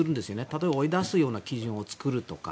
例えば、追い出すような基準を作るとか。